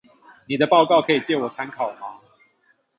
妳的報告可以借我參考嗎？